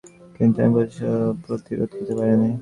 কিন্তু আমি প্রতিরোধ করতে পারিনি।